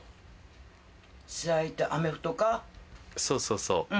そうそうそう。